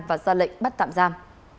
và ra lệnh bắt tạm giam